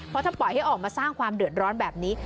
เพราะถ้าปล่อยให้ออกมาสร้างความเดือดร้อนแบบนี้